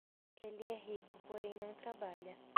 Ele é rico, porém não trabalha.